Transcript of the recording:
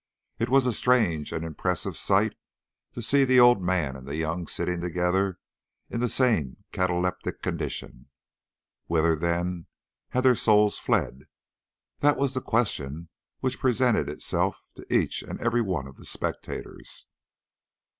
It was a strange and impressive sight to see the old man and the young sitting together in the same cataleptic condition. Whither, then, had their souls fled? That was the question which presented itself to each and every one of the spectators.